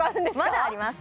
まだあります